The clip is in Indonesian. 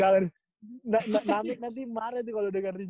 nggak nga namik nanti marah tuh kalau dengerin